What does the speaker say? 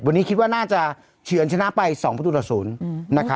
วันนี้คิดว่าน่าจะเฉือนชนะไป๒ประตูต่อ๐นะครับ